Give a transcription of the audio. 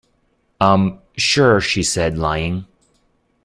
Um... sure, she said, lying.